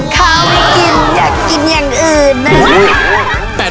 ข้าวไม่กินอยากกินอย่างอื่นนะ